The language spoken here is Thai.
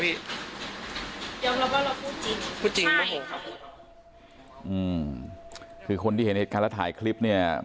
พูดจริงโม่ห่วงครับอืมคือคนที่เห็นเหตุการณ์แล้วถ่ายคลิปเนี่ย